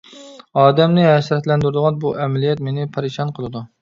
ئادەمنى ھەسرەتلەندۈرىدىغان بۇ ئەمەلىيەت مېنى پەرىشان قىلىدۇ.